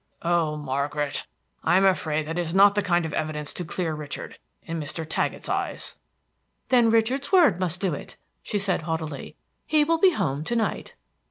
"Oh, Margaret, I am afraid that that is not the kind of evidence to clear Richard in Mr. Taggett's eyes." "Then Richard's word must do it," she said haughtily. "He will be home to night."